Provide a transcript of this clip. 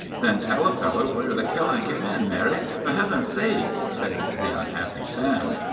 "Then tell a feller where the killin' came in, Mary, for heaven's sake," said the unhappy Sam.